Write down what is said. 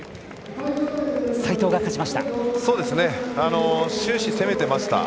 斉藤が勝ちました。